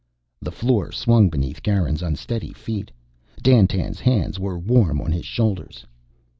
The floor swung beneath Garin's unsteady feet. Dandtan's hands were warm on his shoulders.